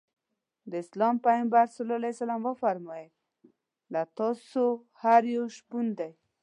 د اسلام پیغمبر ص وفرمایل له تاسو هر یو شپون دی.